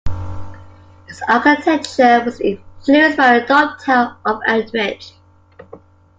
Its architecture was influenced by the Dom Tower of Utrecht.